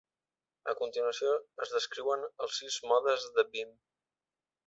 A continuació es descriuen els sis modes de Vim.